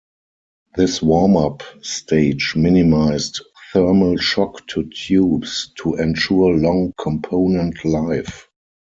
This warm-up stage minimized thermal shock to tubes to ensure long component life.